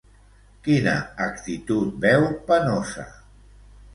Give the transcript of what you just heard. Quina actitud veu penosa?